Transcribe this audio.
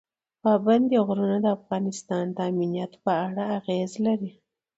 پابندي غرونه د افغانستان د امنیت په اړه اغېز لري.